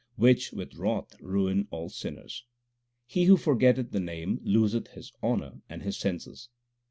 Which with wrath ruin all sinners. He who forgetteth the Name, loseth his honour and his senses.